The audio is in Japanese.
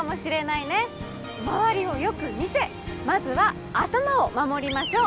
周りをよく見てまずは頭を守りましょう。